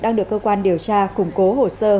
đang được cơ quan điều tra củng cố hồ sơ